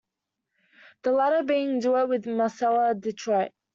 The latter being a duet with Marcella Detroit.